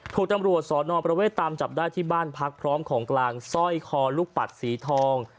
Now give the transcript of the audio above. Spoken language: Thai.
ถูกตำรวจสอนอประเวทตามจับได้ที่บ้านพักพร้อมของกลางสร้อยคอลูกปัดสีทอง